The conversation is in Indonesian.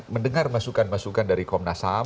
mendengar masukan masukan dari komnas ham